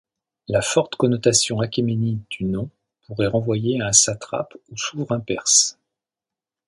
La forte connotation achéménide du nom pourrait renvoyer à un satrape ou souverain perse.